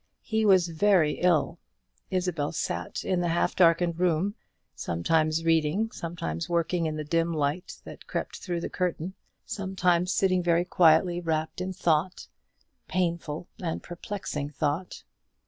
He was very ill. Isabel sat in the half darkened room, sometimes reading, sometimes working in the dim light that crept through the curtain, sometimes sitting very quietly wrapt in thought painful and perplexing thought.